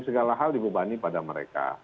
segala hal dibebani pada mereka